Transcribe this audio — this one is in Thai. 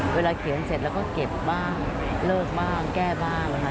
เขียนเสร็จแล้วก็เก็บบ้างเลิกบ้างแก้บ้างนะคะ